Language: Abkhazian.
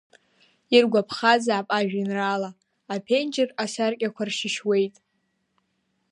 Иргәаԥхазаап ажәеинраала, аԥенџьыр асаркьақәа ршьышьуеит.